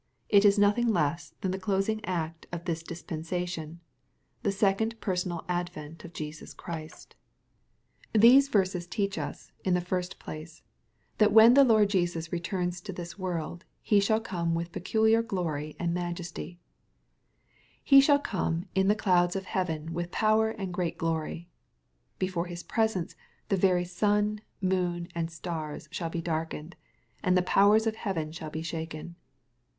It is nothing less than the closing act of this dispensation, the second personal advent of Jesus Christ. 14* 322 XXPOSITOBT THOUGHTS. Tkese yersee teach us, in the first place, (hat when the Lord Jesus returns to this world. He shall come vnth pe culiar glory and majesty. He shall come *4n the clouds of heaven with power and great glory." Before His pre sence the very sun, moon, and stars shall be darkened, and '^ the powers of heaven shall be shaken.''